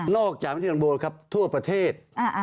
นอกจากเมืองที่ดังโบลครับทั่วประเทศ